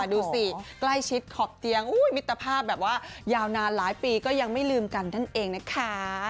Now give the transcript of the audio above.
ดูสิใกล้ชิดขอบเตียงมิตรภาพแบบว่ายาวนานหลายปีก็ยังไม่ลืมกันนั่นเองนะคะ